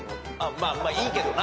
まあいいけどな。